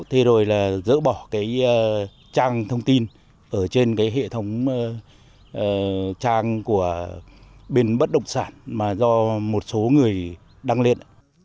thế rồi là dỡ bỏ cái trang thông tin ở trên cái hệ thống trang của bên bất động sản mà do một số người đăng lên